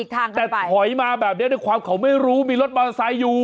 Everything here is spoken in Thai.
แต่ถอยมาแบบนี้ด้วยความเขาไม่รู้มีรถมอเตอร์ไซค์อยู่